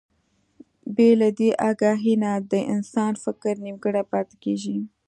بې له دې اګاهي نه د انسان فکر نيمګړی پاتې کېږي.